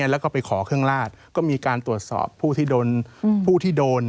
แล้วก็ไปขอเครื่องราชก็มีการตรวจสอบผู้ที่โดน